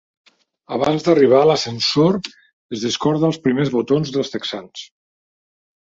Abans d'arribar a l'ascensor es descorda els primers botons dels texans.